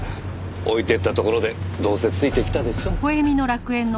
置いていったところでどうせついてきたでしょ？